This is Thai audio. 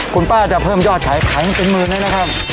คุณป้าจะเพิ่มยอดขายขายเป็นหมื่นเลยนะครับ